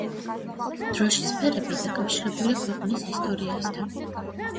დროშის ფერები დაკავშირებულია ქვეყნის ისტორიასთან.